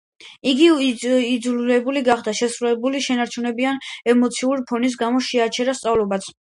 იგი იძულებული გახდა შესრულებები შეეჩერებინა; ემოციური ფონის გამო შეაჩერა სწავლებაც.